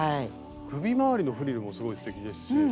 首回りのフリルもすごいすてきですし。